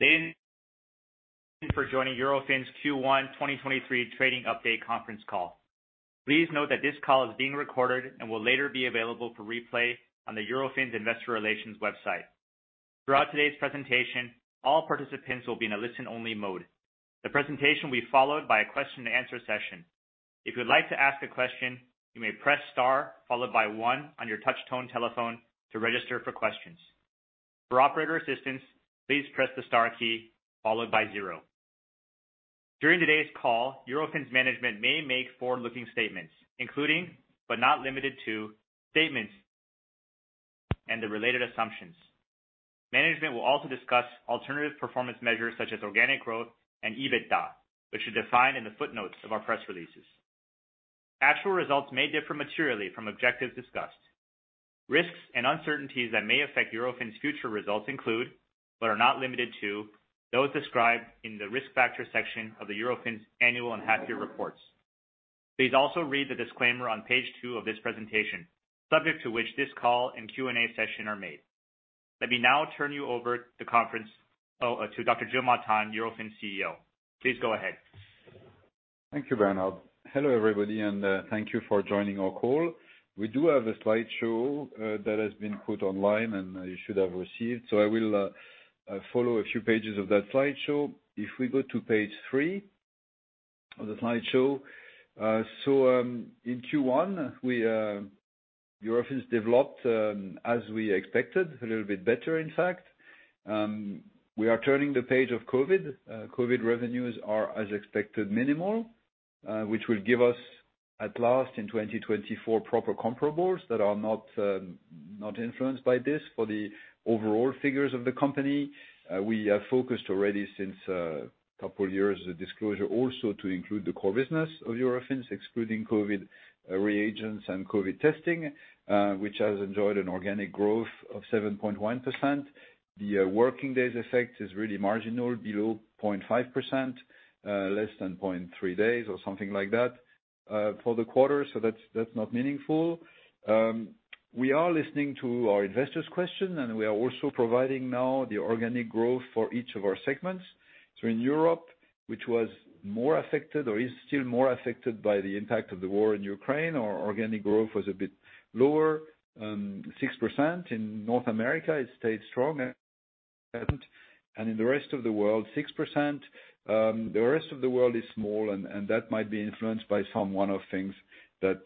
Thank you for joining Eurofins' Q1 2023 trading update conference call. Please note that this call is being recorded and will later be available for replay on the Eurofins Investor Relations website. Throughout today's presentation, all participants will be in a listen-only mode. The presentation will be followed by a question and answer session. If you'd like to ask a question, you may press star followed by one on your touch tone telephone to register for questions. For operator assistance, please press the star key followed by zero. During today's call, Eurofins management may make forward-looking statements, including, but not limited to, statements and the related assumptions. Management will also discuss alternative performance measures such as organic growth and EBITDA, which are defined in the footnotes of our press releases. Actual results may differ materially from objectives discussed. Risks and uncertainties that may affect Eurofins future results include, but are not limited to, those described in the risk factor section of the Eurofins annual and half-year reports. Please also read the disclaimer on page 2 of this presentation, subject to which this call and Q&A session are made. Let me now turn you over to Dr. Gilles Martin, Eurofins CEO. Please go ahead. Thank you, Bernard. Hello, everybody, thank you for joining our call. We do have a slide show that has been put online and you should have received. I will follow a few pages of that slide show. If we go to page 3 of the slide show. In Q1, we Eurofins developed as we expected, a little bit better, in fact. We are turning the page of COVID. COVID revenues are, as expected, minimal, which will give us at last in 2024 proper comparables that are not not influenced by this for the overall figures of the company. We are focused already since a couple of years, the disclosure also to include the core business of Eurofins, excluding COVID reagents and COVID testing, which has enjoyed an organic growth of 7.1%. The working days effect is really marginal, below 0.5%, less than 0.3 days or something like that, for the quarter. That's not meaningful. We are listening to our investors' question, and we are also providing now the organic growth for each of our segments. In Europe, which was more affected or is still more affected by the impact of the war in Ukraine, our organic growth was a bit lower, 6%. In North America, it stayed strong at 7%. In the rest of the world, 6%. The rest of the world is small, and that might be influenced by some one-off things that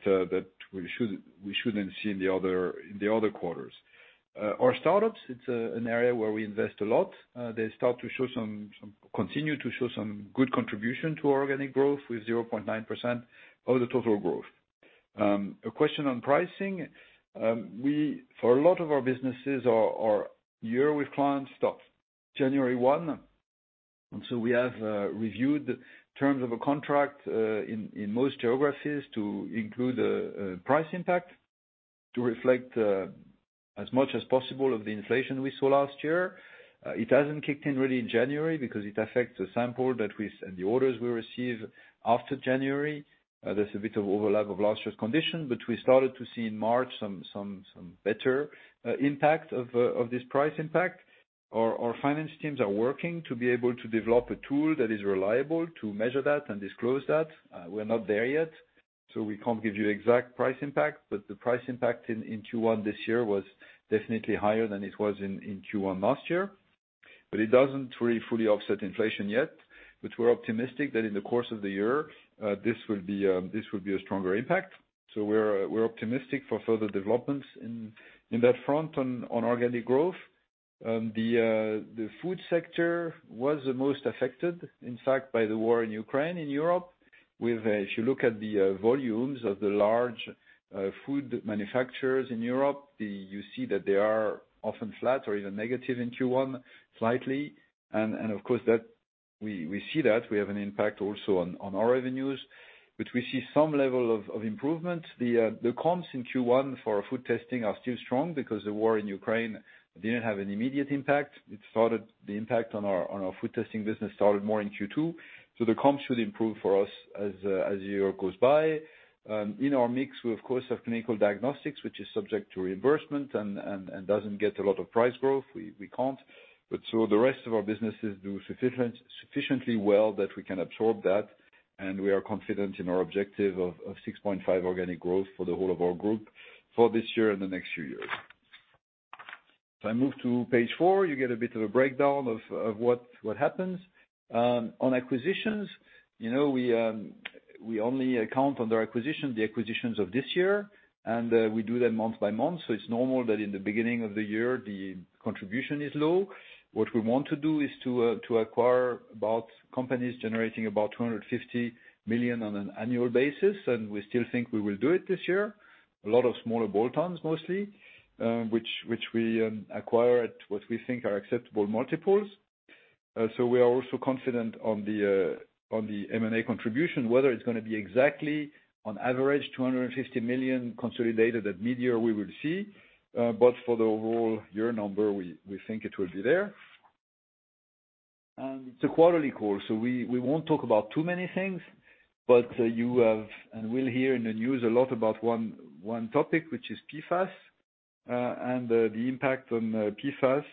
we shouldn't see in the other quarters. Our startups, it's an area where we invest a lot. They start to show some continue to show some good contribution to organic growth with 0.9% of the total growth. A question on pricing. We, for a lot of our businesses, our year with clients starts January 1. We have reviewed the terms of a contract in most geographies to include a price impact to reflect as much as possible of the inflation we saw last year. It hasn't kicked in really in January because it affects the sample and the orders we receive after January. There's a bit of overlap of last year's condition, but we started to see in March some better impact of this price impact. Our finance teams are working to be able to develop a tool that is reliable to measure that and disclose that. We're not there yet, so we can't give you exact price impact. The price impact in Q1 this year was definitely higher than it was in Q1 last year. It doesn't really fully offset inflation yet. We're optimistic that in the course of the year, this will be a stronger impact. We're optimistic for further developments in that front on organic growth. The food sector was the most affected, in fact, by the war in Ukraine and Europe. If you look at the volumes of the large food manufacturers in Europe, you see that they are often flat or even negative in Q1 slightly. Of course that we see that. We have an impact also on our revenues. We see some level of improvement. The comps in Q1 for food testing are still strong because the war in Ukraine didn't have an immediate impact. The impact on our food testing business started more in Q2. The comps should improve for us as the year goes by. In our mix, we of course have clinical diagnostics, which is subject to reimbursement and doesn't get a lot of price growth. We can't. The rest of our businesses do sufficiently well that we can absorb that, and we are confident in our objective of 6.5% organic growth for the whole of our group for this year and the next few years. If I move to page four, you get a bit of a breakdown of what happens. On acquisitions, you know, we only account on the acquisitions of this year, and we do them month by month. It's normal that in the beginning of the year, the contribution is low. What we want to do is to acquire about companies generating about 250 million on an annual basis. We still think we will do it this year. A lot of smaller bolt-ons mostly, which we acquire at what we think are acceptable multiples. We are also confident on the M&A contribution, whether it's gonna be exactly on average 250 million consolidated at midyear, we will see. For the overall year number, we think it will be there. It's a quarterly call, so we won't talk about too many things, but you have and will hear in the news a lot about one topic, which is PFAS, and the impact on PFAS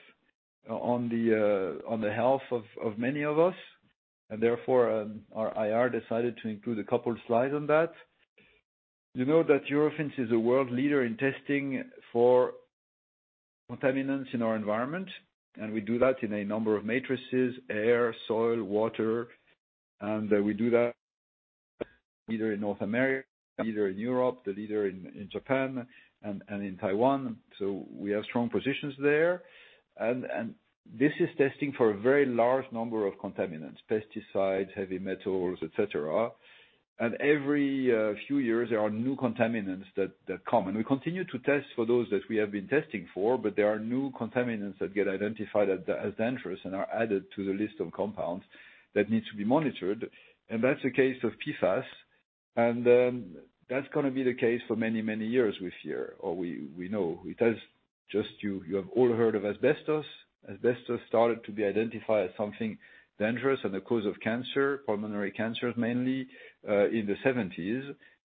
on the health of many of us. Therefore, our IR decided to include a couple of slides on that. You know that Eurofins is a world leader in testing for contaminants in our environment. We do that in a number of matrices, air, soil, water. We do that either in North America, either in Europe, the leader in Japan and in Taiwan. We have strong positions there. This is testing for a very large number of contaminants, pesticides, heavy metals, et cetera. Every few years, there are new contaminants that come. We continue to test for those that we have been testing for, but there are new contaminants that get identified as dangerous and are added to the list of compounds that needs to be monitored. That's the case of PFAS. That's gonna be the case for many, many years we fear, or we know. It has just. You have all heard of asbestos. Asbestos started to be identified as something dangerous and a cause of cancer, pulmonary cancers mainly, in the seventies.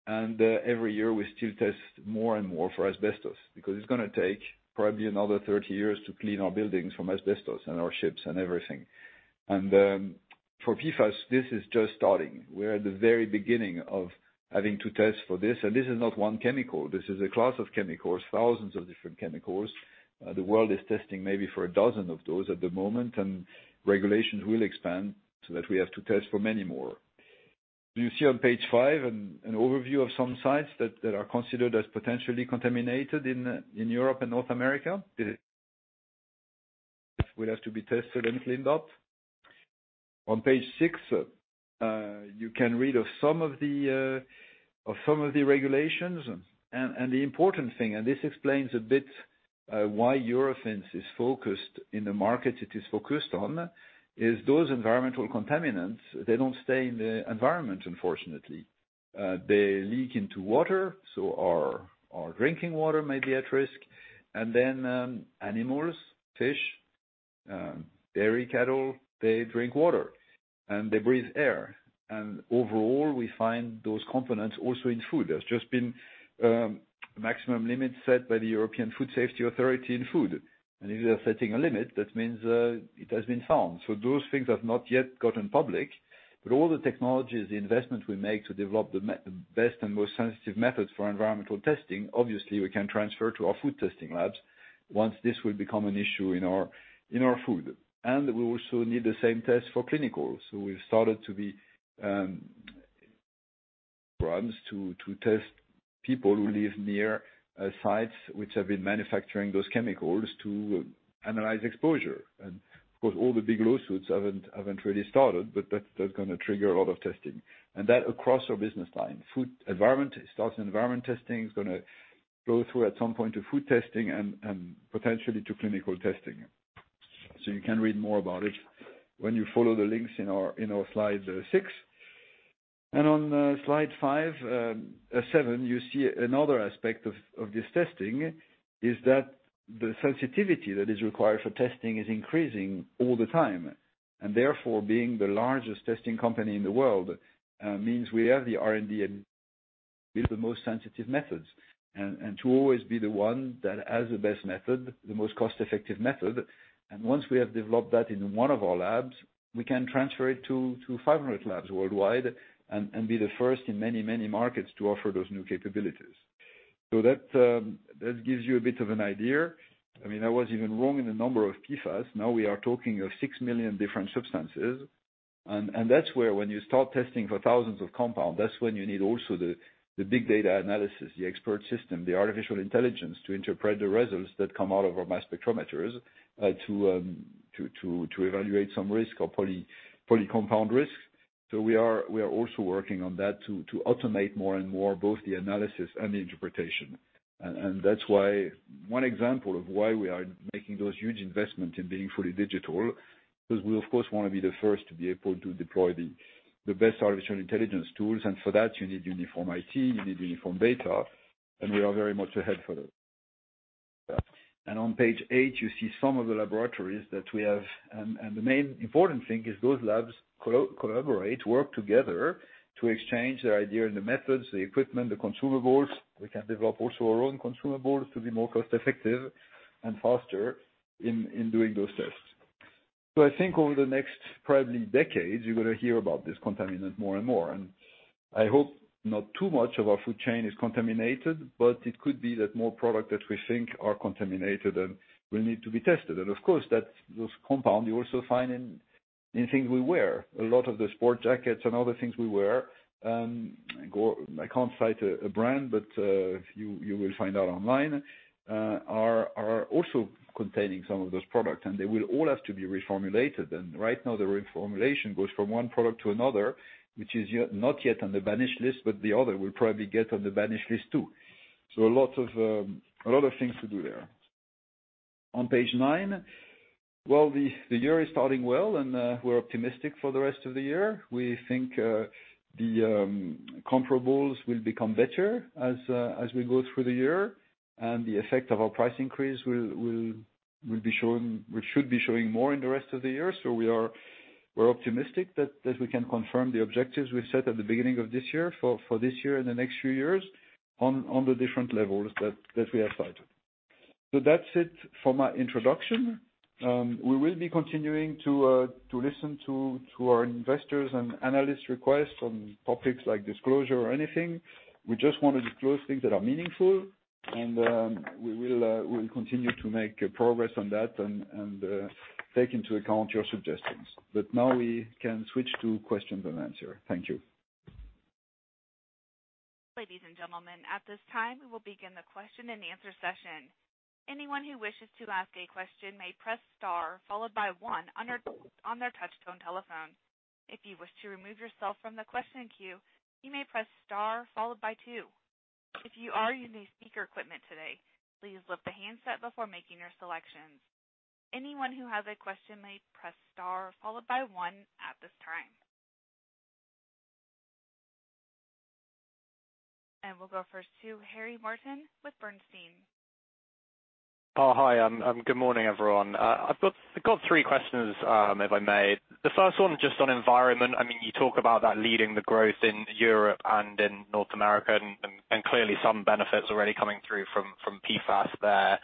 Every year, we still test more and more for asbestos because it's gonna take probably another 30 years to clean our buildings from asbestos and our ships and everything. For PFAS, this is just starting. We're at the very beginning of having to test for this. This is not one chemical. This is a class of chemicals, thousands of different chemicals. The world is testing maybe for a dozen of those at the moment, and regulations will expand so that we have to test for many more. You see on page 5 an overview of some sites that are considered as potentially contaminated in Europe and North America. That would have to be tested and cleaned up. On page 6, you can read of some of the, of some of the regulations. The important thing, and this explains a bit, why Eurofins is focused in the market it is focused on, is those environmental contaminants, they don't stay in the environment, unfortunately. They leak into water, so our drinking water may be at risk. Then, animals, fish, dairy cattle, they drink water, and they breathe air. Overall, we find those components also in food. There's just been, maximum limits set by the European Food Safety Authority in food. If they are setting a limit, that means, it has been found. Those things have not yet gotten public. All the technologies, the investment we make to develop the best and most sensitive methods for environmental testing, obviously, we can transfer to our food testing labs once this will become an issue in our food. We also need the same test for clinical. We've started to be runs to test people who live near sites which have been manufacturing those chemicals to analyze exposure. Of course, all the big lawsuits haven't really started, but that's gonna trigger a lot of testing. That across our business line. Food environment, it starts in environment testing, is gonna go through at some point to food testing and potentially to clinical testing. You can read more about it when you follow the links in our slide 6. On slide 5, 7, you see another aspect of this testing is that the sensitivity that is required for testing is increasing all the time. Therefore, being the largest testing company in the world, means we have the R&D and build the most sensitive methods, and to always be the one that has the best method, the most cost-effective method. Once we have developed that in one of our labs, we can transfer it to 500 labs worldwide and be the first in many, many markets to offer those new capabilities. That gives you a bit of an idea. I mean, I was even wrong in the number of PFAS. Now we are talking of 6 million different substances. That's where when you start testing for thousands of compounds, that's when you need also the big data analysis, the expert system, the artificial intelligence to interpret the results that come out of our mass spectrometers, to evaluate some risk or polycompound risk. We are also working on that to automate more and more both the analysis and the interpretation. That's why one example of why we are making those huge investments in being fully digital, 'cause we of course, wanna be the first to be able to deploy the best artificial intelligence tools. For that you need uniform IT, you need uniform data, and we are very much ahead for that. On page 8, you see some of the laboratories that we have. The main important thing is those labs collaborate, work together to exchange their idea and the methods, the equipment, the consumables. We can develop also our own consumables to be more cost-effective and faster in doing those tests. I think over the next probably decades, you're gonna hear about this contaminant more and more. I hope not too much of our food chain is contaminated, but it could be that more product that we think are contaminated and will need to be tested. Of course, that's those compound you also find in things we wear. A lot of the sport jackets and other things we wear, I can't cite a brand, but you will find out online, are also containing some of those products, and they will all have to be reformulated. Right now, the reformulation goes from one product to another, which is not yet on the banished list, but the other will probably get on the banished list too. A lot of things to do there. On page 9, the year is starting well, we're optimistic for the rest of the year. We think the comparables will become better as we go through the year. The effect of our price increase will be showing, which should be showing more in the rest of the year. We're optimistic that we can confirm the objectives we set at the beginning of this year for this year and the next few years on the different levels that we have cited. That's it for my introduction. We will be continuing to listen to our investors and analyst requests on topics like disclosure or anything. We just wanna disclose things that are meaningful, and we will continue to make progress on that and take into account your suggestions. Now we can switch to question and answer. Thank you. Ladies and gentlemen, at this time, we will begin the question-and-answer session. Anyone who wishes to ask a question may press star followed by one on their touch tone telephone. If you wish to remove yourself from the question queue, you may press star followed by two. If you are using speaker equipment today, please lift the handset before making your selections. Anyone who has a question may press star followed by one at this time. We'll go first to Harry Martin with Bernstein. Oh, hi. Good morning, everyone. I've got three questions, if I may. The first one just on environment. I mean, you talk about that leading the growth in Europe and in North America, and clearly some benefits already coming through from PFAS there.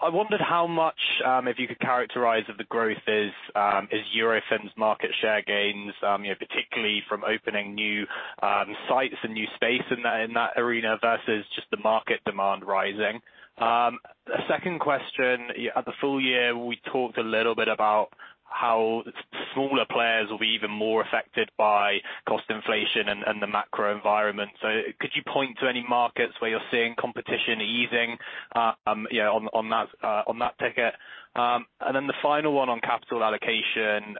I wondered how much, if you could characterize if the growth is Eurofins market share gains, you know, particularly from opening new sites and new space in that arena versus just the market demand rising. A second question, at the full year, we talked a little bit about how smaller players will be even more affected by cost inflation and the macro environment. Could you point to any markets where you're seeing competition easing, you know, on that ticket? The final one on capital allocation.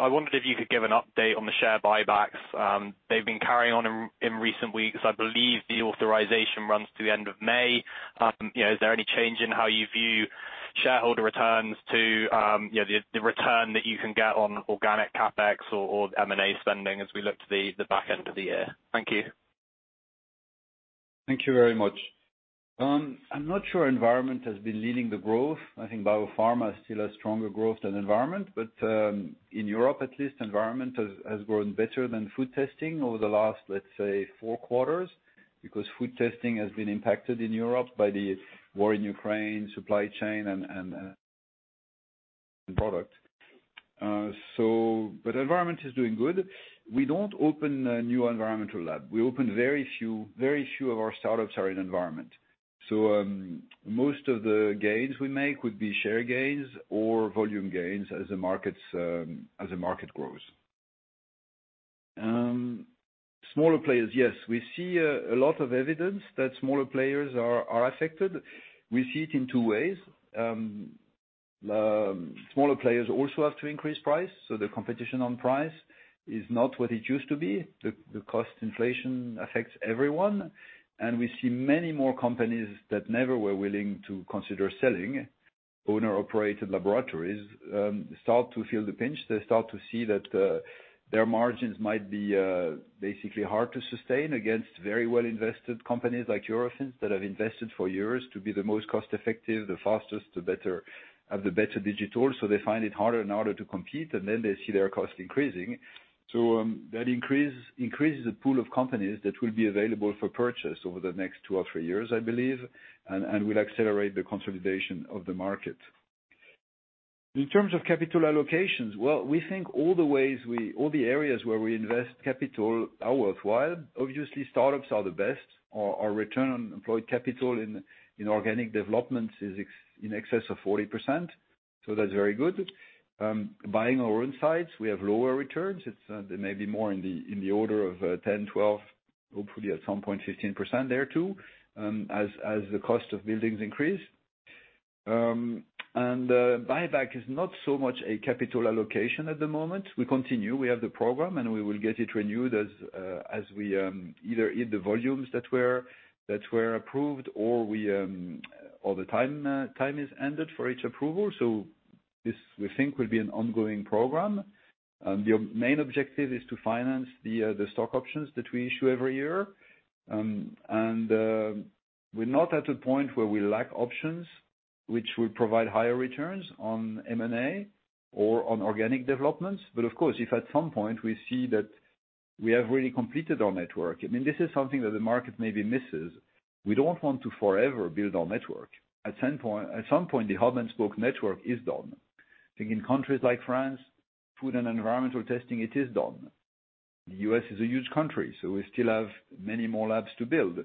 I wondered if you could give an update on the share buybacks, they've been carrying on in recent weeks. I believe the authorization runs to the end of May. You know, is there any change in how you view shareholder returns to, you know, the return that you can get on organic CapEx or M&A spending as we look to the back end of the year? Thank you. Thank you very much. I'm not sure environment has been leading the growth. I think biopharma still has stronger growth than environment, but in Europe at least, environment has grown better than food testing over the last, let's say, four quarters, because food testing has been impacted in Europe by the war in Ukraine, supply chain, and product. Environment is doing good. We don't open a new environmental lab. We open very few of our startups are in environment. Most of the gains we make would be share gains or volume gains as the markets as the market grows. Smaller players, yes. We see a lot of evidence that smaller players are affected. We see it in two ways. Smaller players also have to increase price, so the competition on price is not what it used to be. The cost inflation affects everyone. We see many more companies that never were willing to consider selling, owner-operated laboratories, start to feel the pinch. They start to see that their margins might be basically hard to sustain against very well-invested companies like Eurofins that have invested for years to be the most cost effective, the fastest, the better digital. They find it harder and harder to compete, and then they see their cost increasing. That increase increases the pool of companies that will be available for purchase over the next two or three years, I believe, and will accelerate the consolidation of the market. In terms of capital allocations, we think all the areas where we invest capital are worthwhile. Obviously, startups are the best. Our return on capital employed in organic developments is in excess of 40%, so that's very good. Buying our own sites, we have lower returns. It's, they may be more in the order of 10%, 12%, hopefully at some point 15% there too, as the cost of buildings increase. Buyback is not so much a capital allocation at the moment. We continue. We have the program, we will get it renewed as we either hit the volumes that were approved or we or the time is ended for each approval. This, we think, will be an ongoing program. The main objective is to finance the stock options that we issue every year. We're not at a point where we lack options, which would provide higher returns on M&A or on organic developments. If at some point we see that we have really completed our network. I mean, this is something that the market maybe misses. We don't want to forever build our network. At some point, the hub and spoke network is done. I think in countries like France, food and environmental testing, it is done. The U.S. is a huge country, we still have many more labs to build.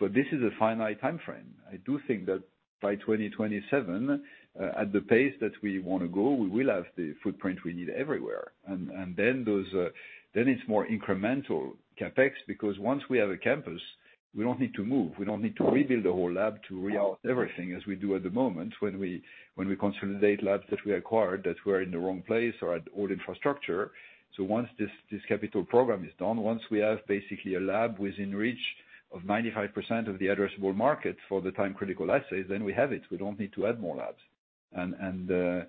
This is a finite time frame. I do think that by 2027, at the pace that we wanna go, we will have the footprint we need everywhere. Then it's more incremental CapEx, because once we have a campus, we don't need to move, we don't need to rebuild the whole lab to reauthorize everything as we do at the moment when we consolidate labs that we acquired that were in the wrong place or old infrastructure. Once this capital program is done, once we have basically a lab within reach of 95% of the addressable market for the time-critical assays, then we have it. We don't need to add more labs.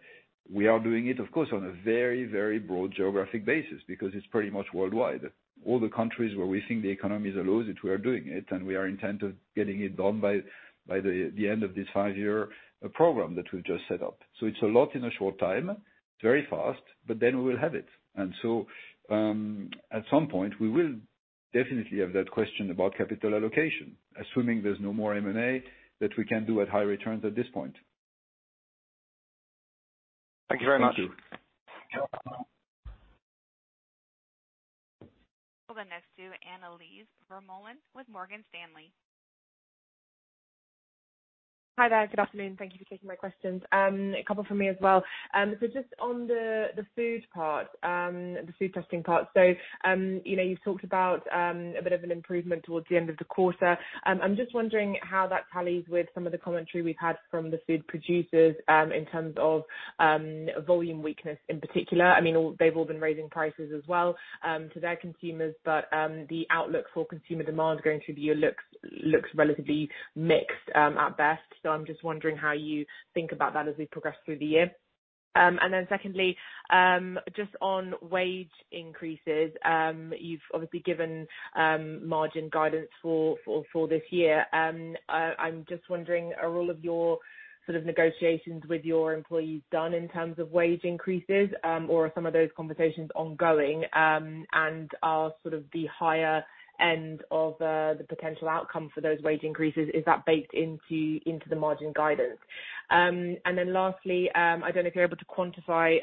We are doing it, of course, on a very, very broad geographic basis because it's pretty much worldwide. All the countries where we think the economy allows it, we are doing it, and we are intent on getting it done by the end of this five-year program that we've just set up. It's a lot in a short time, it's very fast, but then we will have it. At some point we will definitely have that question about capital allocation, assuming there's no more M&A that we can do at high returns at this point. Thank you very much. Thank you. We'll go next to Annelies Vermeulen with Morgan Stanley. Hi there. Good afternoon. Thank you for taking my questions. A couple from me as well. Just on the food part, the food testing part. You know, you talked about a bit of an improvement towards the end of the quarter. I'm just wondering how that tallies with some of the commentary we've had from the food producers, in terms of volume weakness in particular. I mean, they've all been raising prices as well to their consumers. The outlook for consumer demand going through the year looks relatively mixed at best. I'm just wondering how you think about that as we progress through the year. Secondly, just on wage increases. You've obviously given margin guidance for this year. I'm just wondering, are all of your sort of negotiations with your employees done in terms of wage increases, or are some of those conversations ongoing, and are sort of the higher end of the potential outcome for those wage increases, is that baked into the margin guidance? Lastly, I don't know if you're able to quantify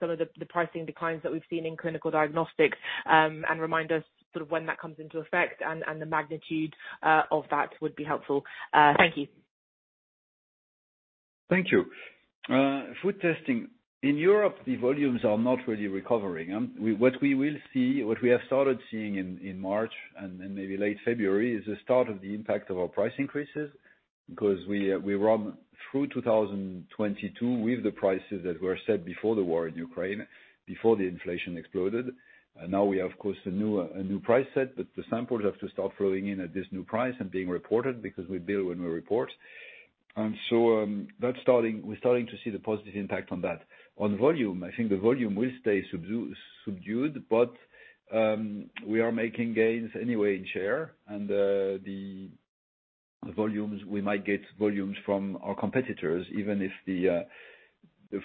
some of the pricing declines that we've seen in clinical diagnostics, and remind us sort of when that comes into effect and the magnitude of that would be helpful. Thank you. Thank you. Food testing. In Europe, the volumes are not really recovering. What we will see, what we have started seeing in March and maybe late February is the start of the impact of our price increases. Because we run through 2022 with the prices that were set before the war in Ukraine, before the inflation exploded. Now we have of course, a new, a new price set, but the samples have to start flowing in at this new price and being reported because we bill when we report. That's starting, we're starting to see the positive impact on that. On volume, I think the volume will stay subdued, but, we are making gains anyway in share. The, the volumes, we might get volumes from our competitors, even if the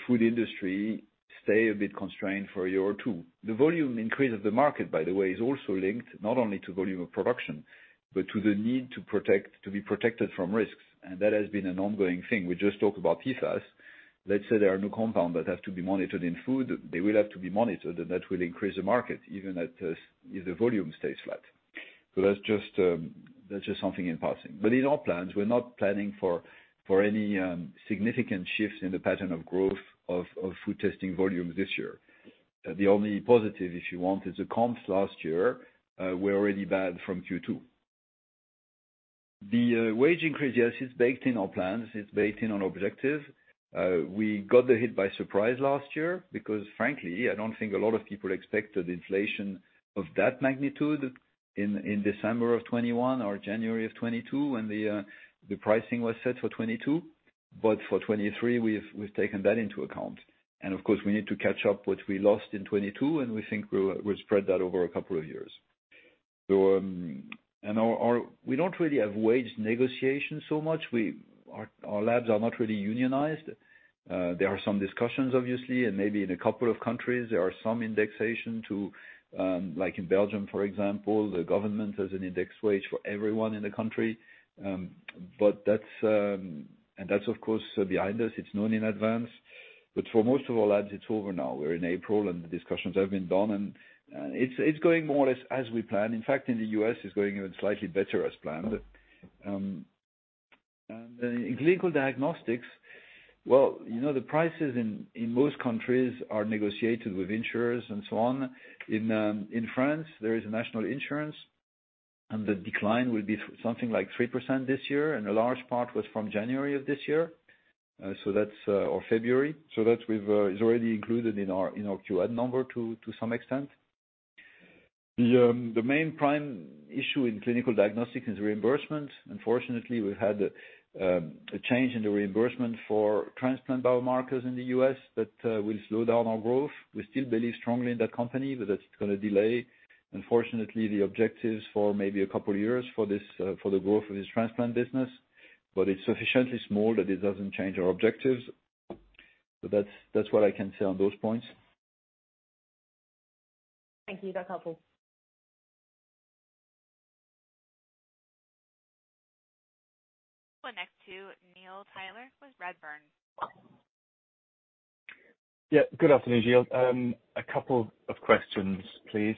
food industry stay a bit constrained for a year or two. The volume increase of the market, by the way, is also linked not only to volume of production, but to the need to be protected from risks. That has been an ongoing thing. We just talked about PFAS. Let's say there are new compound that has to be monitored in food. They will have to be monitored, and that will increase the market even at, if the volume stays flat. That's just something in passing. In our plans, we're not planning for any, significant shifts in the pattern of growth of food testing volumes this year. The only positive, if you want, is the comps last year were already bad from Q2. The wage increase, yes, it's baked in our plans. It's baked in on objective. We got the hit by surprise last year because frankly, I don't think a lot of people expected inflation of that magnitude in December of 2021 or January of 2022 when the pricing was set for 2022. For 2023, we've taken that into account. Of course, we need to catch up what we lost in 2022, and we think we'll spread that over a couple of years. Our we don't really have wage negotiations so much. Our labs are not really unionized. There are some discussions obviously, and maybe in a couple of countries there are some indexation to, like in Belgium, for example, the government has an index wage for everyone in the country. That's, and that's of course behind us. It's known in advance. For most of our labs, it's over now. We're in April and the discussions have been done, and it's going more or less as we planned. In fact, in the U.S., it's going even slightly better as planned. In clinical diagnostics, well, you know, the prices in most countries are negotiated with insurers and so on. In France, there is a national insurance, and the decline will be something like 3% this year, and a large part was from January of this year. That's or February. That we've is already included in our Q1 number to some extent. The main prime issue in clinical diagnostics is reimbursement. Unfortunately, we've had a change in the reimbursement for transplant biomarkers in the U.S. that will slow down our growth. We still believe strongly in that company, but that's gonna delay, unfortunately, the objectives for maybe a couple of years for this, for the growth of this transplant business, but it's sufficiently small that it doesn't change our objectives. That's what I can say on those points. Thank you. That's helpful. We'll go next to Neil Tyler with Redburn. Yeah. Good afternoon, Gilles. A couple of questions, please.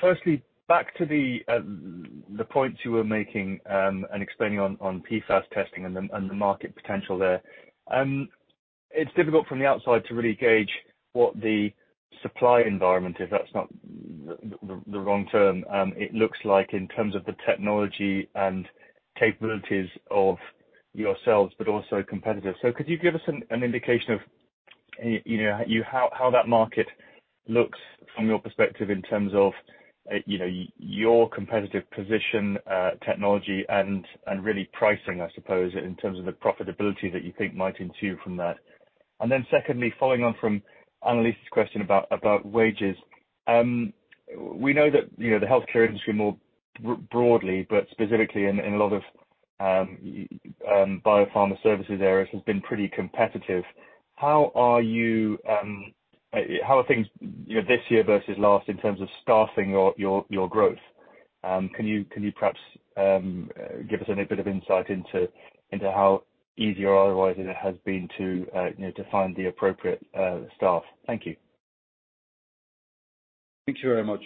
Firstly, back to the points you were making and explaining on PFAS testing and the market potential there. It's difficult from the outside to really gauge what the supply environment is. That's not the wrong term. It looks like in terms of the technology and capabilities of yourselves, but also competitors. Could you give us an indication of, you know, how that market looks from your perspective in terms of, you know, your competitive position, technology and really pricing, I suppose, in terms of the profitability that you think might ensue from that. Secondly, following on from Annelies's question about wages. We know that, you know, the healthcare industry more broadly, but specifically in a lot of biopharma services areas has been pretty competitive. How are you, how are things, you know, this year versus last in terms of staffing your growth? Can you perhaps give us any bit of insight into how easy or otherwise it has been to, you know, to find the appropriate staff? Thank you. Thank you very much.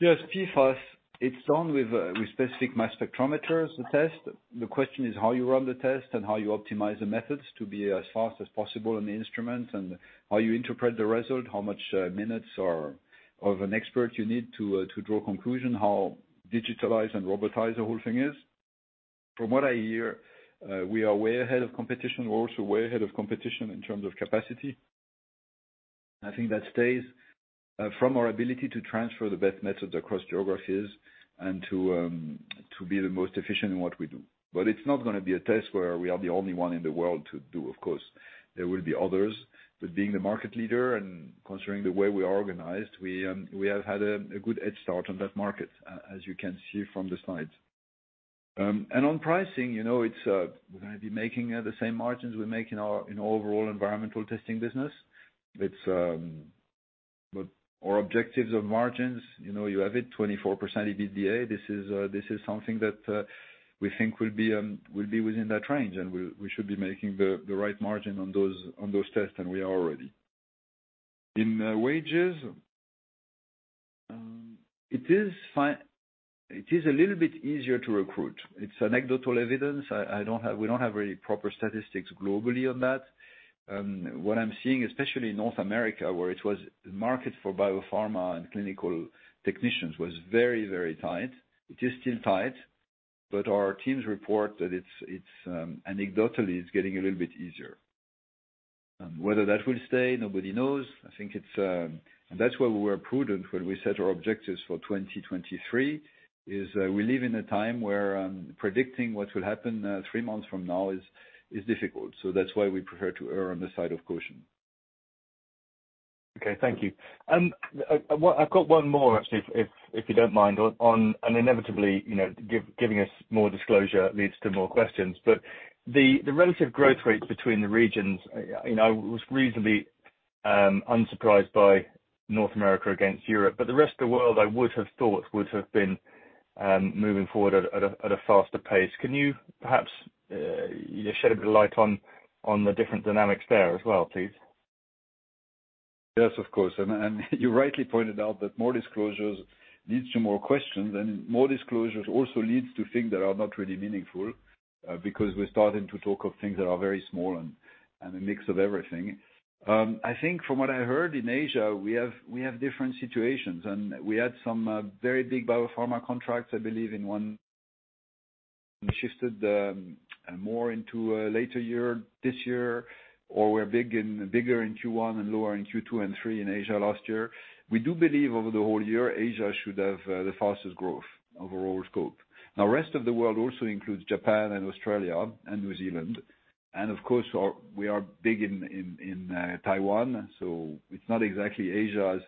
Yes, PFAS, it's done with specific mass spectrometers, the test. The question is how you run the test and how you optimize the methods to be as fast as possible in the instruments and how you interpret the result, how much minutes or of an expert you need to draw conclusion, how digitalized and robotized the whole thing is. From what I hear, we are way ahead of competition. We're also way ahead of competition in terms of capacity. I think that stays from our ability to transfer the best methods across geographies and to be the most efficient in what we do. It's not gonna be a test where we are the only one in the world to do, of course. There will be others. Being the market leader and considering the way we are organized, we have had a good head start on that market as you can see from the slides. And on pricing, you know, it's, we're gonna be making the same margins we make in our, in overall environmental testing business. It's. Our objectives of margins, you know, you have it, 24% EBITDA. This is, this is something that we think will be, will be within that range. We should be making the right margin on those tests than we are already. In wages, it is a little bit easier to recruit. It's anecdotal evidence. I don't have really proper statistics globally on that. What I'm seeing, especially in North America, where it was the market for biopharma and clinical technicians was very, very tight. It is still tight, but our teams report that it's anecdotally getting a little bit easier. Whether that will stay, nobody knows. That's why we were prudent when we set our objectives for 2023, is we live in a time where predicting what will happen three months from now is difficult. That's why we prefer to err on the side of caution. Okay. Thank you. Well, I've got one more actually, if, if you don't mind. Inevitably, you know, giving us more disclosure leads to more questions, but the relative growth rates between the regions, you know, I was reasonably unsurprised by North America against Europe, but the rest of the world, I would have thought would have been moving forward at a faster pace. Can you perhaps, you know, shed a bit of light on the different dynamics there as well, please? Yes, of course. You rightly pointed out that more disclosures leads to more questions and more disclosures also leads to things that are not really meaningful, because we're starting to talk of things that are very small and a mix of everything. I think from what I heard in Asia, we have different situations. We had some very big biopharma contracts, I believe in one shifted more into a later year this year, or were bigger in Q1 and lower in Q2 and Q3 in Asia last year. We do believe over the whole year, Asia should have the fastest growth overall scope. Rest of the world also includes Japan and Australia and New Zealand. Of course our. We are big in Taiwan, so it's not exactly Asia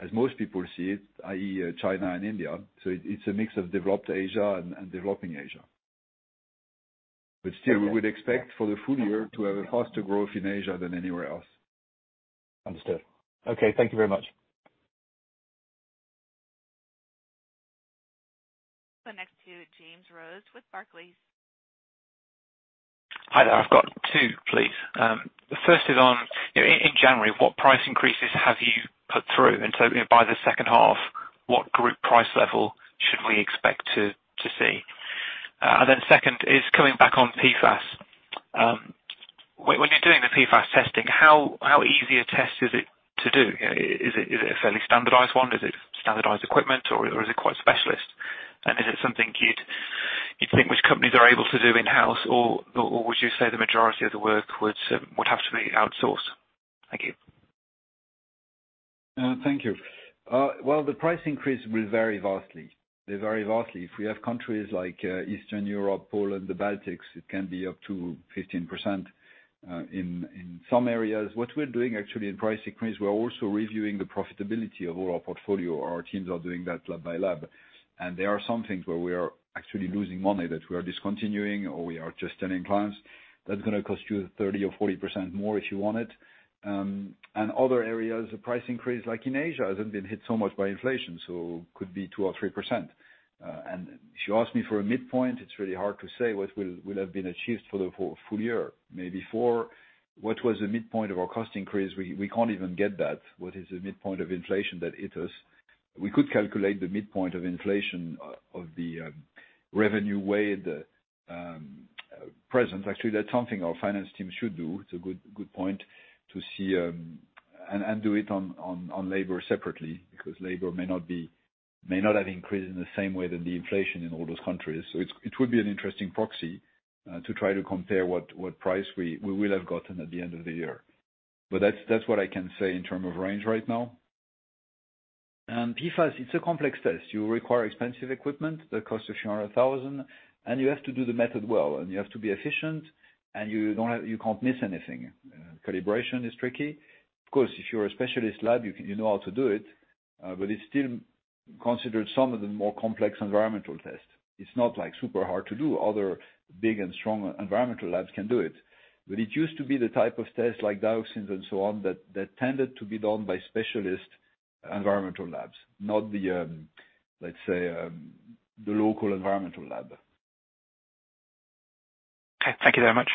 as most people see it, i.e., China and India. It's a mix of developed Asia and developing Asia. Still, we would expect for the full year to have a faster growth in Asia than anywhere else. Understood. Okay, thank you very much. Next to James Rose with Barclays. Hi there. I've got two, please. The first is on, you know, in January, what price increases have you put through? By the second half, what group price level should we expect to see? Second is coming back on PFAS. When you're doing the PFAS testing, how easy a test is it to do? You know, is it a fairly standardized one? Is it standardized equipment or is it quite specialist? And is it something you'd think which companies are able to do in-house or would you say the majority of the work would have to be outsourced? Thank you. Thank you. Well, the price increase will vary vastly. They vary vastly. If we have countries like Eastern Europe, Poland, the Baltics, it can be up to 15% in some areas. What we're doing actually in price increase, we are also reviewing the profitability of all our portfolio. Our teams are doing that lab by lab. There are some things where we are actually losing money that we are discontinuing, or we are just telling clients, "That's gonna cost you 30% or 40% more if you want it." Other areas, the price increase, like in Asia, hasn't been hit so much by inflation, so could be 2% or 3%. If you ask me for a midpoint, it's really hard to say what will have been achieved for the full year. Maybe for what was the midpoint of our cost increase, we can't even get that. What is the midpoint of inflation that hit us? We could calculate the midpoint of inflation of the revenue way the present. Actually, that's something our finance team should do. It's a good point to see, and do it on labor separately, because labor may not have increased in the same way that the inflation in all those countries. It would be an interesting proxy to try to compare what price we will have gotten at the end of the year. That's what I can say in term of range right now. PFAS, it's a complex test. You require expensive equipment that costs EUR a few hundred thousand, and you have to do the method well, and you have to be efficient, and you can't miss anything. Calibration is tricky. Of course, if you're a specialist lab, you know how to do it. It's still considered some of the more complex environmental tests. It's not like super hard to do. Other big and strong environmental labs can do it, but it used to be the type of tests like dioxins and so on that tended to be done by specialist environmental labs, not the, let's say, the local environmental lab. Okay, thank you very much.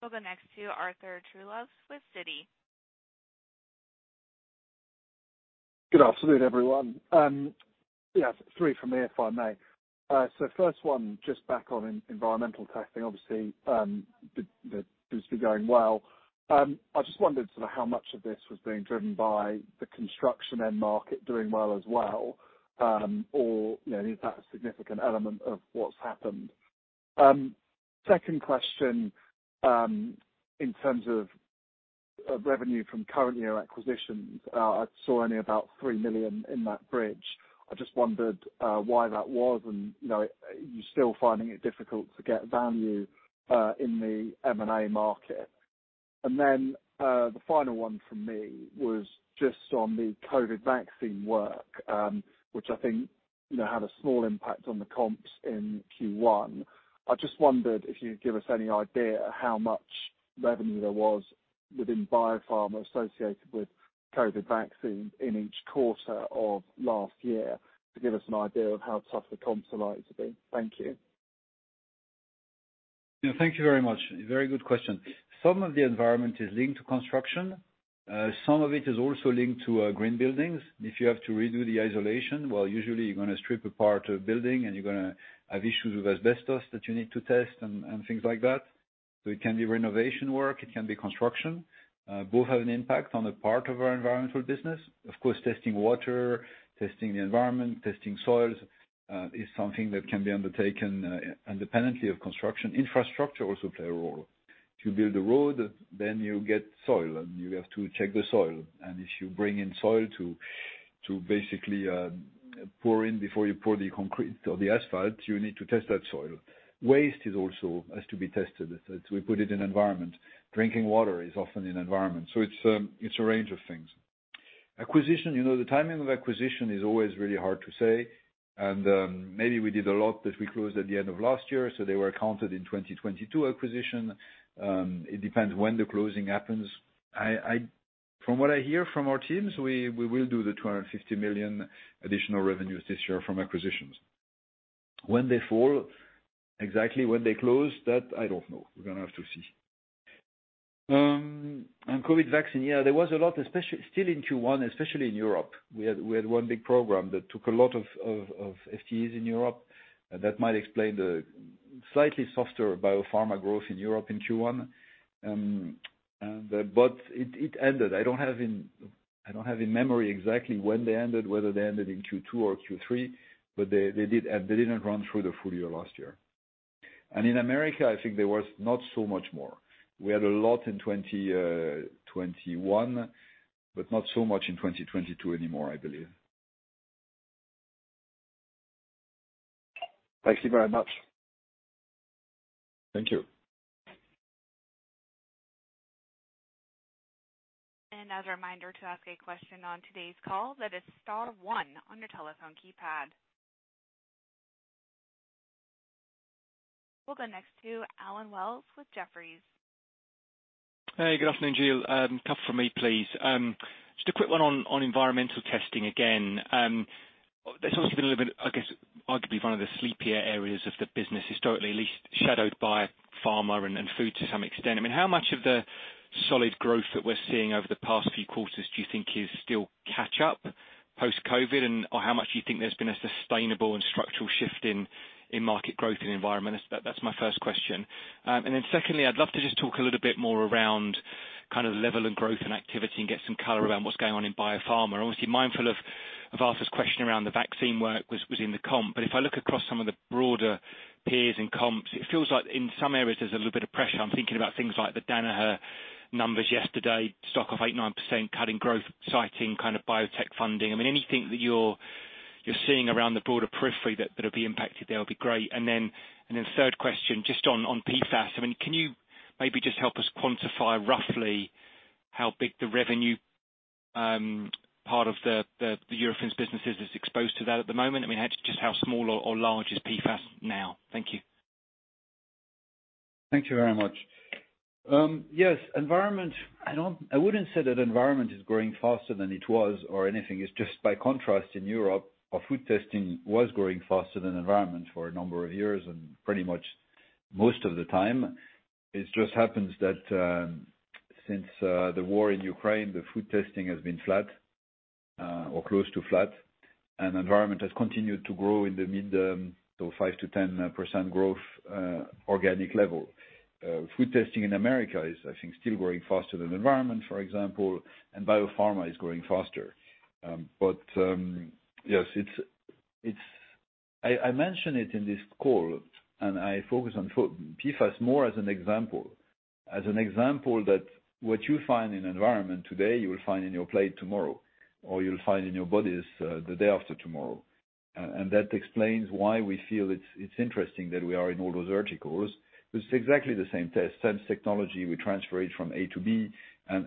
We'll go next to Arthur Truslove with Citi. Good afternoon, everyone. Yes, three from me, if I may. First one, just back on environmental testing, obviously, seems to be going well. I just wondered sort of how much of this was being driven by the construction end market doing well as well, or, you know, is that a significant element of what's happened? Second question, in terms of revenue from current year acquisitions, I saw only about 3 million in that bridge. I just wondered, why that was and, you know, are you still finding it difficult to get value in the M&A market? The final one from me was just on the COVID vaccine work, which I think, you know, had a small impact on the comps in Q1. I just wondered if you'd give us any idea how much revenue there was within biopharma associated with COVID vaccine in each quarter of last year to give us an idea of how tough the comps are likely to be. Thank you. Yeah, thank you very much. Very good question. Some of the environment is linked to construction. Some of it is also linked to green buildings. If you have to redo the isolation, well, usually you're gonna strip a part of building and you're gonna have issues with asbestos that you need to test and things like that. It can be renovation work, it can be construction. Both have an impact on the part of our environmental business. Of course, testing water, testing the environment, testing soils, is something that can be undertaken independently of construction. Infrastructure also play a role. To build a road, then you get soil and you have to check the soil. If you bring in soil to basically pour in before you pour the concrete or the asphalt, you need to test that soil. Waste is also has to be tested as we put it in environment. Drinking water is often in environment. It's a range of things. Acquisition, you know, the timing of acquisition is always really hard to say. Maybe we did a lot that we closed at the end of last year, so they were counted in 2022 acquisition. It depends when the closing happens. From what I hear from our teams, we will do the 250 million additional revenues this year from acquisitions. When they fall, exactly when they close, that I don't know. We're gonna have to see. On COVID vaccine, yeah, there was a lot, especially still in Q1, especially in Europe. We had one big program that took a lot of FTEs in Europe. That might explain the slightly softer biopharma growth in Europe in Q1. But it ended. I don't have in memory exactly when they ended, whether they ended in Q2 or Q3, but they didn't run through the full year last year. In America, I think there was not so much more. We had a lot in 2021, but not so much in 2022 anymore, I believe. Thank you very much. Thank you. As a reminder to ask a question on today's call, that is star one on your telephone keypad. We'll go next to Allen Wells with Jefferies. Hey, good afternoon, Gilles. couple from me, please. just a quick one on environmental testing again. That's also been a little bit, I guess, arguably one of the sleepier areas of the business historically, at least shadowed by pharma and food to some extent. I mean, how much of the solid growth that we're seeing over the past few quarters do you think is still catch up post-COVID? How much do you think there's been a sustainable and structural shift in market growth in environment? That's my first question. Secondly, I'd love to just talk a little bit more around kind of the level of growth and activity and get some color around what's going on in biopharma. Obviously, mindful of Arthur's question around the vaccine work was in the comp. If I look across some of the broader peers and comps, it feels like in some areas there's a little bit of pressure. I'm thinking about things like the Danaher numbers yesterday, stock of 8%-9%, cutting growth, citing kind of biotech funding. I mean, anything that you're seeing around the broader periphery that will be impacted there will be great. Then, third question, just on PFAS. I mean, can you maybe just help us quantify roughly how big the revenue part of the Eurofins business is exposed to that at the moment? I mean, just how small or large is PFAS now? Thank you. Thank you very much. Yes, environment, I wouldn't say that environment is growing faster than it was or anything. It's just by contrast, in Europe, our food testing was growing faster than environment for a number of years and pretty much most of the time. It just happens that since the war in Ukraine, the food testing has been flat or close to flat, and environment has continued to grow in the mid, so 5%-10% growth, organic level. Food testing in America is, I think, still growing faster than environment, for example, and biopharma is growing faster. Yes, it's I mention it in this call and I focus on PFAS more as an example, as an example that what you find in environment today, you will find in your plate tomorrow, or you'll find in your bodies, the day after tomorrow. That explains why we feel it's interesting that we are in all those articles. It's exactly the same test, same technology. We transfer it from A to B and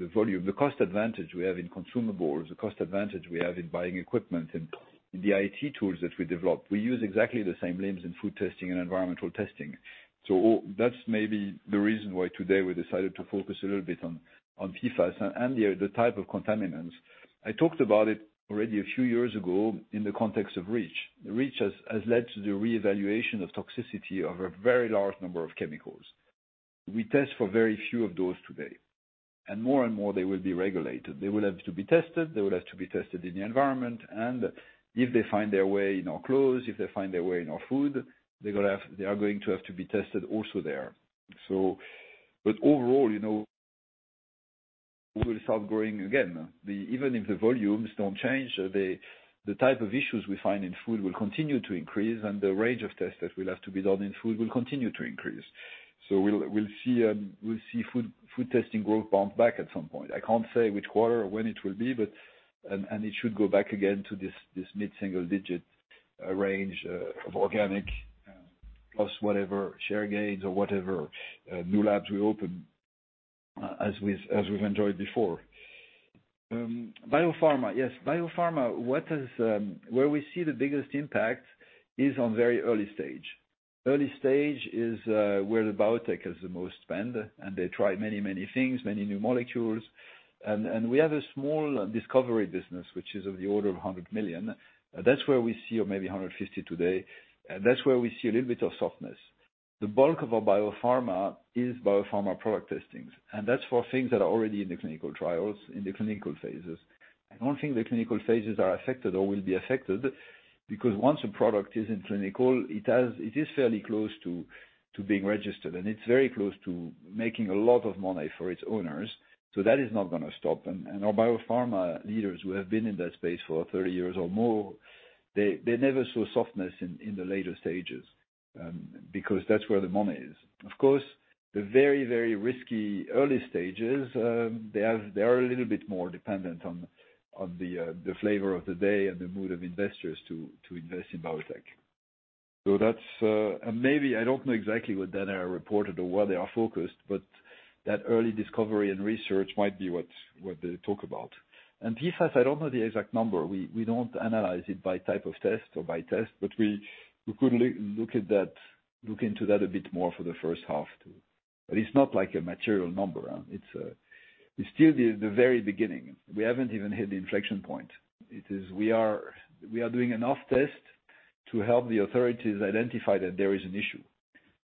the volume, the cost advantage we have in consumables, the cost advantage we have in buying equipment and the IT tools that we develop, we use exactly the same LIMS in food testing and environmental testing. That's maybe the reason why today we decided to focus a little bit on PFAS and the type of contaminants. I talked about it already a few years ago in the context of REACH. The REACH has led to the reevaluation of toxicity over a very large number of chemicals. We test for very few of those today, and more and more, they will be regulated. They will have to be tested, they will have to be tested in the environment. If they find their way in our clothes, if they find their way in our food, they are going to have to be tested also there. Overall, you know, we will start growing again. Even if the volumes don't change, the type of issues we find in food will continue to increase, and the range of tests that will have to be done in food will continue to increase. We'll see food testing growth bounce back at some point. I can't say which quarter or when it will be, but it should go back again to this mid-single digit range of organic plus whatever share gains or whatever new labs we open as we've enjoyed before. Biopharma. Yes. Biopharma. What is where we see the biggest impact is on very early stage. Early stage is where the biotech is the most spent, they try many things, many new molecules. We have a small discovery business which is of the order of 100 million. That's where we see or maybe 150 today. That's where we see a little bit of softness. The bulk of our biopharma is biopharma product testings, that's for things that are already in the clinical trials, in the clinical phases. I don't think the clinical phases are affected or will be affected because once a product is in clinical, it is fairly close to being registered, and it's very close to making a lot of money for its owners. That is not gonna stop. And our biopharma leaders who have been in that space for 30 years or more, they never saw softness in the later stages because that's where the money is. Of course, the very, very risky early stages, they are a little bit more dependent on the flavor of the day and the mood of investors to invest in biotech. That's maybe I don't know exactly what Danaher reported or where they are focused, but that early discovery and research might be what they talk about. PFAS, I don't know the exact number. We don't analyze it by type of test or by test, but we could look into that a bit more for the first half too. It's not like a material number. It's still the very beginning. We haven't even hit the inflection point. It is we are doing enough tests to help the authorities identify that there is an issue.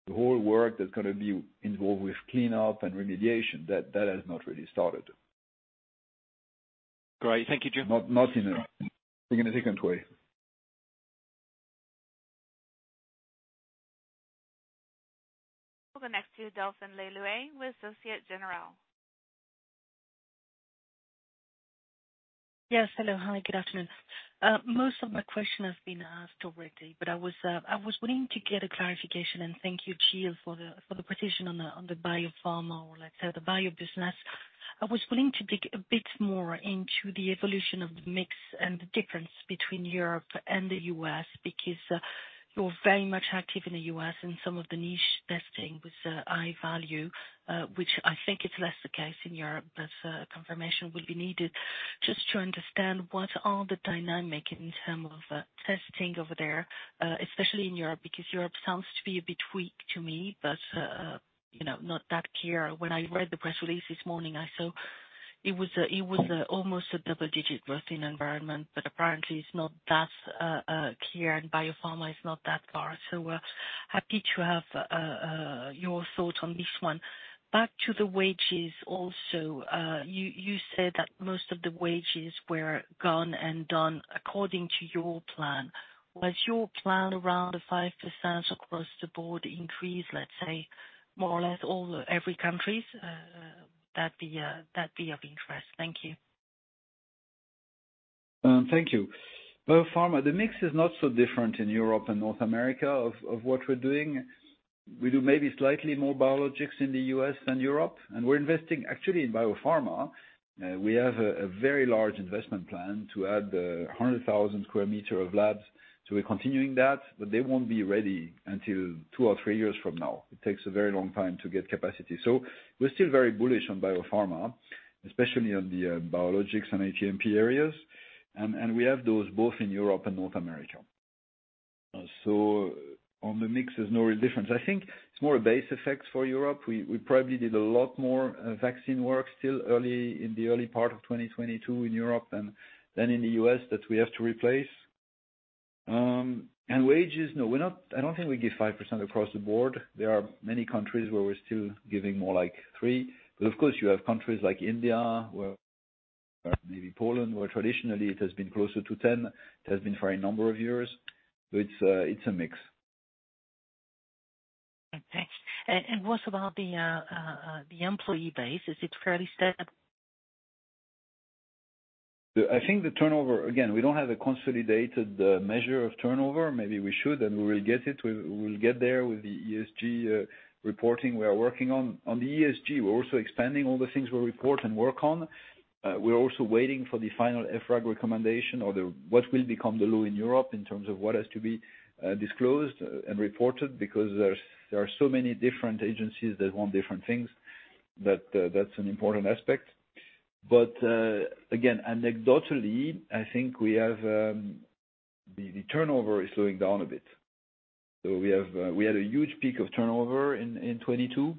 The whole work that's gonna be involved with cleanup and remediation, that has not really started. Great. Thank you, Gilles. Not in a significant way. We'll connect you to Delphine Le Louët with Société Générale. Yes. Hello. Hi. Good afternoon. Most of my question has been asked already, but I was, I was willing to get a clarification, and thank you, Gilles, for the precision on the biopharma or, let's say, the bio business. I was willing to dig a bit more into the evolution of the mix and the difference between Europe and the U.S. because you're very much active in the U.S. and some of the niche testing with high value, which I think is less the case in Europe. Confirmation will be needed just to understand what are the dynamic in term of testing over there, especially in Europe, because Europe sounds to be a bit weak to me, you know, not that clear. When I read the press release this morning, I saw it was almost a double-digit growth in environment, but apparently it's not that clear, and biopharma is not that far. Happy to have your thought on this one. Back to the wages also. You said that most of the wages were gone and done according to your plan. Was your plan around the 5% across the board increase, let's say more or less all every countries? That'd be of interest. Thank you. Thank you. Biopharma, the mix is not so different in Europe and North America of what we're doing. We do maybe slightly more biologics in the U.S. than Europe. We're investing actually in biopharma. We have a very large investment plan to add 100,000 sq m of labs. We're continuing that. They won't be ready until two or three years from now. It takes a very long time to get capacity. We're still very bullish on biopharma, especially on the biologics and ATMP areas. We have those both in Europe and North America. On the mix, there's no real difference. I think it's more a base effect for Europe. We probably did a lot more vaccine work in the early part of 2022 in Europe than in the US that we have to replace. Wages, I don't think we give 5% across the board. There are many countries where we're still giving more like 3%. Of course you have countries like India or maybe Poland, where traditionally it has been closer to 10%. It has been for a number of years. It's a mix. Thanks. What about the employee base? Is it fairly stable? I think the turnover again, we don't have a consolidated measure of turnover. Maybe we should, and we will get it. We will get there with the ESG reporting we are working on. On the ESG, we're also expanding all the things we report and work on. We're also waiting for the final EFRAG recommendation or what will become the law in Europe in terms of what has to be disclosed and reported because there are so many different agencies that want different things that that's an important aspect. Again, anecdotally, I think we have the turnover is slowing down a bit. We have we had a huge peak of turnover in 2022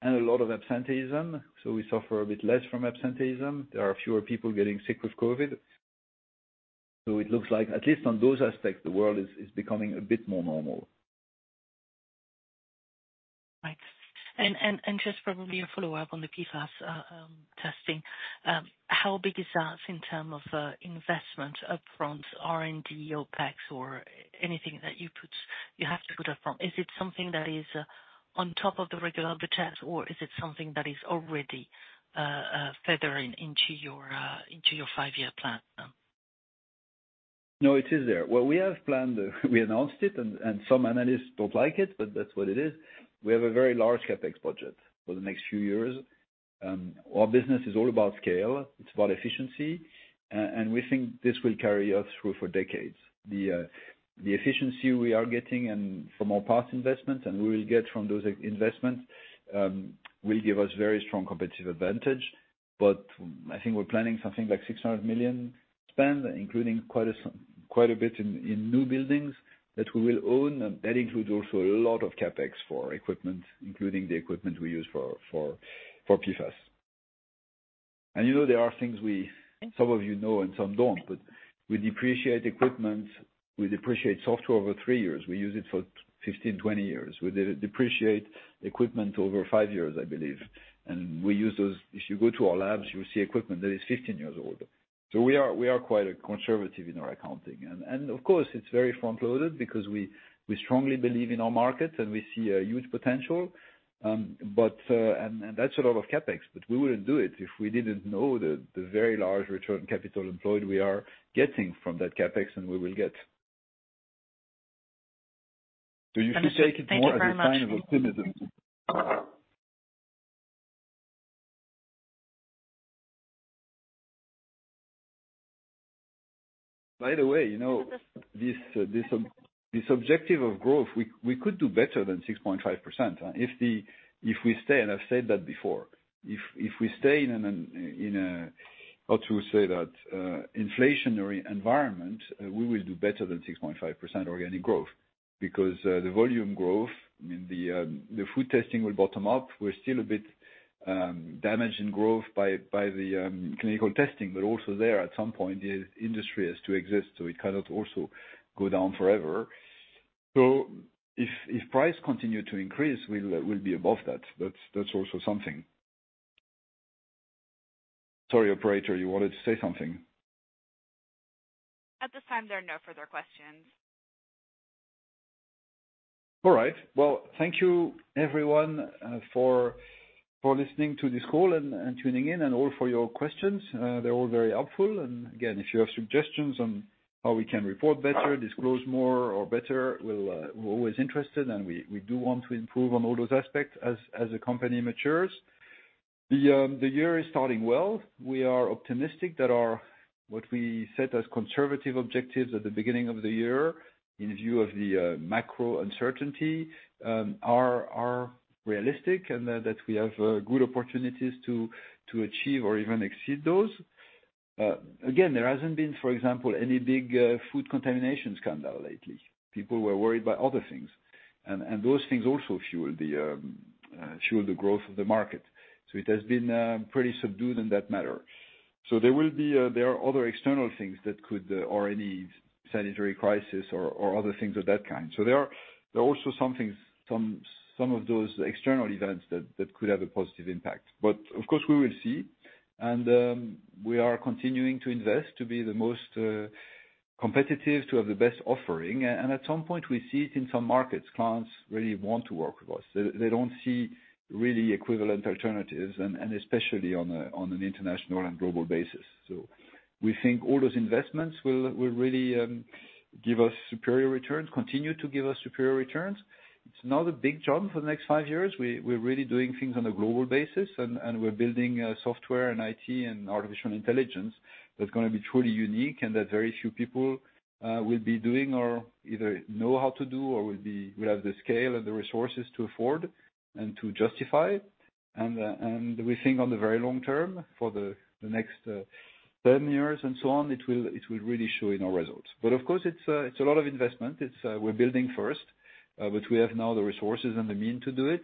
and a lot of absenteeism, so we suffer a bit less from absenteeism. There are fewer people getting sick with COVID. It looks like, at least on those aspects, the world is becoming a bit more normal. Right. Just probably a follow-up on the PFAS testing. How big is that in term of investment upfront, R&D, OpEx, or anything that you have to put up front? Is it something that is on top of the regular tests, or is it something that is already feathered into your five-year plan? No, it is there. What we have planned, we announced it, and some analysts don't like it. That's what it is. We have a very large CapEx budget for the next few years. Our business is all about scale, it's about efficiency, and we think this will carry us through for decades. The efficiency we are getting and from our past investments, and we will get from those investments, will give us very strong competitive advantage. I think we're planning something like 600 million spend, including quite a bit in new buildings that we will own. That includes also a lot of CapEx for equipment, including the equipment we use for PFAS. You know, there are things we. Some of you know and some don't. We depreciate equipment, we depreciate software over three years. We use it for 15 years, 20 years. We depreciate equipment over five years, I believe. We use those. If you go to our labs, you'll see equipment that is 15 years old. We are quite conservative in our accounting. Of course, it's very front-loaded because we strongly believe in our market and we see a huge potential. That's a lot of CapEx, but we wouldn't do it if we didn't know the very large return on capital employed we are getting from that CapEx and we will get. You should take it more as a sign of optimism. Thank you very much. By the way, you know, this objective of growth, we could do better than 6.5%, if we stay, and I've said that before. If we stay in an, in a, how to say that, inflationary environment, we will do better than 6.5% organic growth because the volume growth, I mean, the food testing will bottom up. We're still a bit damaged in growth by the clinical testing. Also there, at some point, the industry has to exist, so it cannot also go down forever. If price continue to increase, we'll be above that. That's also something. Sorry, operator, you wanted to say something? At this time, there are no further questions. All right. Well, thank you everyone, for listening to this call and tuning in and all for your questions. They're all very helpful. Again, if you have suggestions on how we can report better, disclose more or better, we're always interested, and we do want to improve on all those aspects as the company matures. The year is starting well. We are optimistic that our, what we set as conservative objectives at the beginning of the year in view of the macro uncertainty, are realistic and that we have good opportunities to achieve or even exceed those. Again, there hasn't been, for example, any big food contamination scandal lately. People were worried about other things. Those things also fuel the growth of the market. It has been pretty subdued in that matter. There are other external things that could or any sanitary crisis or other things of that kind. There are also some things, some of those external events that could have a positive impact. Of course, we will see. We are continuing to invest to be the most competitive, to have the best offering. And at some point, we see it in some markets, clients really want to work with us. They don't see really equivalent alternatives, and especially on an international and global basis. We think all those investments will really give us superior returns, continue to give us superior returns. It's now the big jump for the next five years. We're really doing things on a global basis, and we're building software and IT and artificial intelligence that's going to be truly unique and that very few people will be doing or either know how to do or will have the scale and the resources to afford and to justify. We think on the very long term, for the next 10 years and so on, it will really show in our results. Of course, it's a lot of investment. It's. We're building first, but we have now the resources and the mean to do it.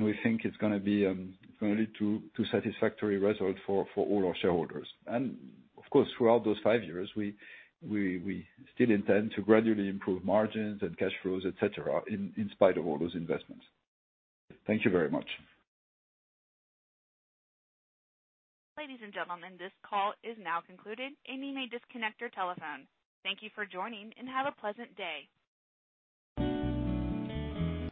We think it's going to be going to lead to satisfactory result for all our shareholders. Of course, throughout those five years, we still intend to gradually improve margins and cash flows, et cetera, in spite of all those investments. Thank you very much. Ladies and gentlemen, this call is now concluded. You may disconnect your telephone. Thank you for joining, and have a pleasant day.